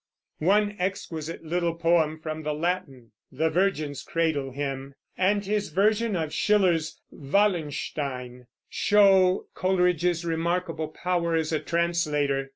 One exquisite little poem from the Latin, "The Virgin's Cradle Hymn," and his version of Schiller's Wallenstein, show Coleridge's remarkable power as a translator.